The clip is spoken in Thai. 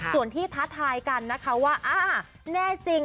ส่วนที่ท้าทายกันนะคะว่าอ่าแน่จริง